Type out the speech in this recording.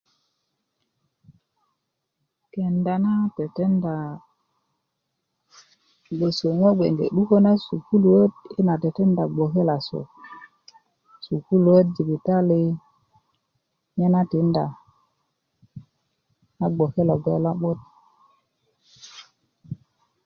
kenda na tetenda ŋo' gboso 'dukö na sukuluöt i na tetenda bgwoke losu sukuluöt jibitali nye na tinda a bgwoke gboŋ lo'but